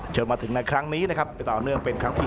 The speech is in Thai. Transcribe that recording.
จนมาถึงในครั้งนี้นะครับไปต่อเนื่องเป็นครั้งที่๓